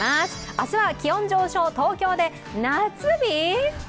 明日は気温上昇、東京で夏日！？